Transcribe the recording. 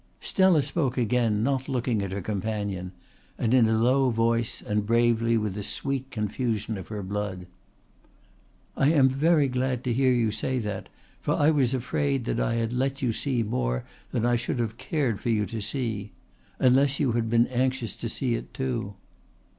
Stella spoke again, not looking at her companion, and in a low voice and bravely with a sweet confusion of her blood. "I am very glad to hear you say that, for I was afraid that I had let you see more than I should have cared for you to see unless you had been anxious to see it too."